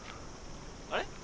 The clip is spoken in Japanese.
あれ？